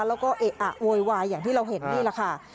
แล้วก็เอะอะโวยวายอย่างที่เราเห็นนี่แหละค่ะ